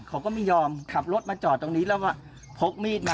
เขาก็ไม่ยอมขับรถมาจอดตรงนี้แล้วพกมีดมา